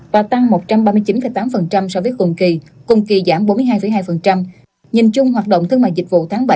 và tăng một trăm ba mươi chín tám so với cùng kỳ cùng kỳ giảm bốn mươi hai hai nhìn chung hoạt động thương mại dịch vụ tháng bảy